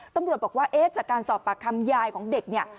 ตำรวจบอกว่าเอ๊ะจากการสอบปากคำยายของเด็กเนี่ย